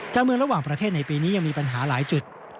ระหว่างประเทศในปีนี้ยังมีปัญหาหลายจุด